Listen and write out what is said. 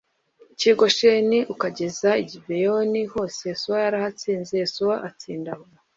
cy i gosheni g ukageza i gibeyoni h hose yosuwa yarahatsinze yosuwa atsinda abo